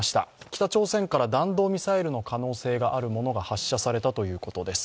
北朝鮮から弾道ミサイルの可能性があるものが発射されたということです。